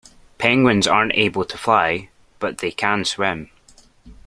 Penguins aren't able to fly, but they can swim